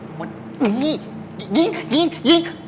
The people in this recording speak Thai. มันมาใกล้นี่ยิงยิงยิง